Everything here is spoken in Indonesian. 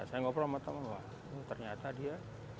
saya ngobrol sama temen temen wah ternyata dia